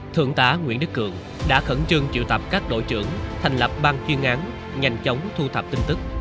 thượng tá nguyễn đức cường đã khẩn trương triệu tập các đội trưởng thành lập ban chuyên án nhanh chóng thu thập tin tức